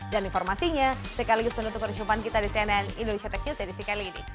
dan informasinya sekaligus menutup perjumpaan kita di cnn indonesia tech news edisi kali ini